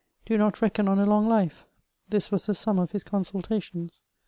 ^^ Do not reckon on a long life :" this was the sum of his consultations.